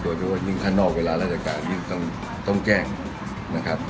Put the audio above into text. โดยเฉพาะยิ่งข้างนอกเวลาราชการยิ่งต้องแจ้งนะครับ